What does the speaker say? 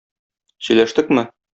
Сөйләштекме?